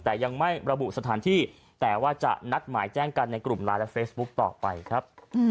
แต่ยังไม่ระบุสถานที่แต่ว่าจะนัดหมายแจ้งกันในกลุ่มไลน์และเฟซบุ๊คต่อไปครับ